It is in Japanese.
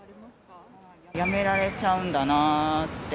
辞められちゃうんだなって。